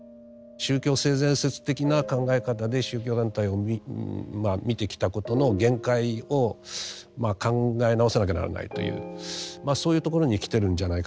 宗教性善説的な考え方で宗教団体をまあ見てきたことの限界を考え直さなきゃならないというそういうところに来てるんじゃないかな。